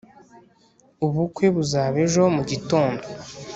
ubukwe buzaba ejo mu gitondo (